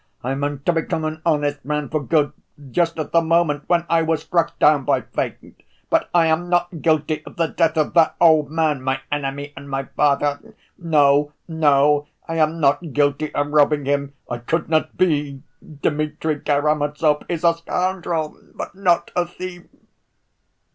I meant to become an honest man for good, just at the moment when I was struck down by fate. But I am not guilty of the death of that old man, my enemy and my father. No, no, I am not guilty of robbing him! I could not be. Dmitri Karamazov is a scoundrel, but not a thief."